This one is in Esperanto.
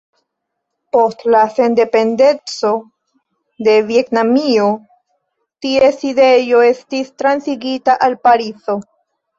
Post la sendependeco de Vjetnamio, ties sidejo estis transigita al Parizo.